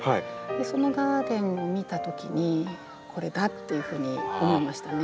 そのガーデンを見たときにこれだ！っていうふうに思いましたね。